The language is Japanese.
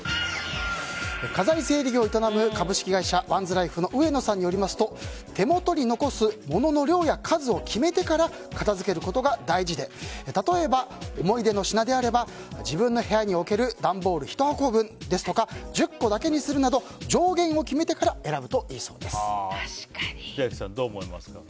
家財整理業を営む株式会社ワンズライフの上野さんによりますと手元に残す物の量や数を決めてから片づけることが大事で、例えば思い出の品であれば自分の部屋に置ける段ボール１箱分ですとか１０個だけにするなど上限を決めてから千秋さん、どう思いますか？